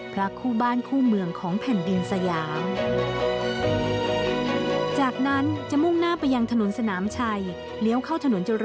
พระคู่บ้านคู่เมืองของแผ่นดินสยาม